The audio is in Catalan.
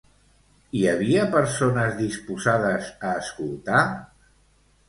Hi havia persones disposades a escoltar?